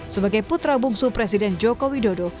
sebagai putra bungsu presiden joko widodo